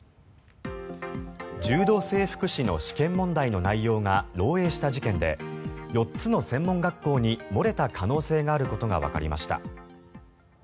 柔道整復師の試験問題の内容が漏えいした事件で４つの専門学校に漏れた可能性があることがわかりました。